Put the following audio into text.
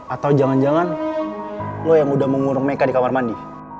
atau jangan jangan lo yang udah mengurung mereka di kamar mandi